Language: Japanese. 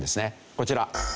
こちら。